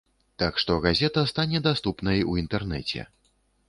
Так што газета стане даступнай у інтэрнэце.